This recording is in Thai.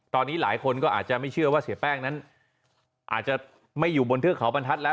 ตอนนี้หลายคนก็อาจจะไม่เชื่อว่าเสียแป้งนั้นอาจจะไม่อยู่บนเทือกเขาบรรทัศน์แล้ว